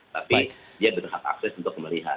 tapi dia berhak akses untuk melihat